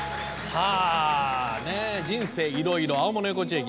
「人生いろいろ」青物横丁駅。